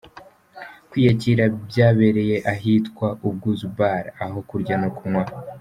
Kwiyakira byabereye ahitwa Ubwuzu Bar aho kurya no kunywa